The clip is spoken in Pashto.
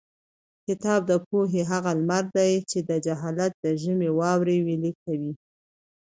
کتاب د پوهې هغه لمر دی چې د جهالت د ژمي واورې ویلي کوي.